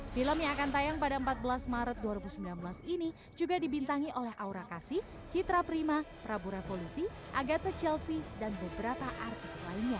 film yang akan tayang pada empat belas maret dua ribu sembilan belas ini juga dibintangi oleh aura kasi citra prima prabu revolusi agate chelsea dan beberapa artis lainnya